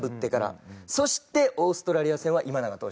そしてオーストラリア戦は今永投手。